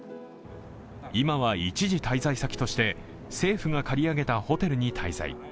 今は、一時滞在先として政府が借り上げたホテルに滞在。